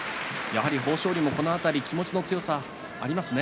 豊昇龍もこの辺り気持ちの強さがありますね。